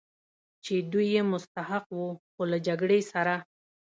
چې دوی یې مستحق و، خو له جګړې سره.